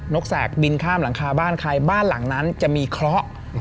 กแสกบินข้ามหลังคาบ้านใครบ้านหลังนั้นจะมีเคราะห์